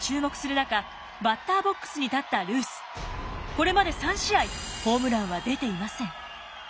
これまで３試合ホームランは出ていません。